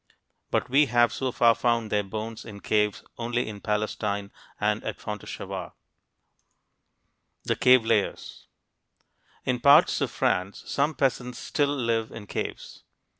But we have so far found their bones in caves only in Palestine and at Fontéchevade. THE CAVE LAYERS In parts of France, some peasants still live in caves.